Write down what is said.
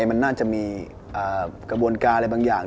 มันน่าจะมีกระบวนการอะไรบางอย่าง